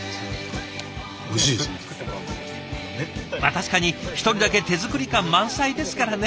確かに一人だけ手作り感満載ですからね。